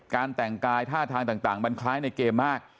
แต่งกายท่าทางต่างมันคล้ายในเกมมาก